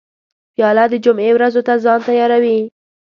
پیاله د جمعې ورځو ته ځان تیاروي.